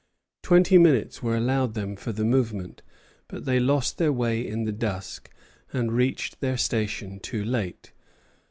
Twenty minutes were allowed them for the movement; but they lost their way in the dusk, and reached their station too late.